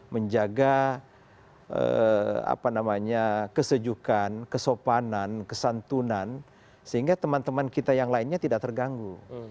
menjaga kesejukan kesopanan kesantunan sehingga teman teman kita yang lainnya tidak terganggu